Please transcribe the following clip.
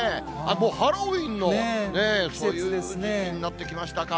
もうハロウィーンの、そういう時期になってきましたか。